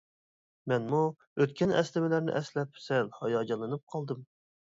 مەنمۇ ئۆتكەن ئەسلىمىلەرنى ئەسلەپ سەل ھاياجانلىنىپ قالدىم.